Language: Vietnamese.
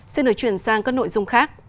xin đổi chuyển sang các nội dung khác